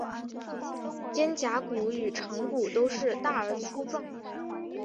肩胛骨与肠骨都是大而粗壮。